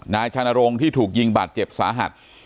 นายชานรงค์ที่ถูกยิงบาดเจ็บสาหัส